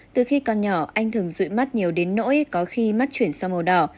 từ khi còn nhỏ anh thường rụi mắt nhiều đến nỗi có khi mắt chuyển sang màu đỏ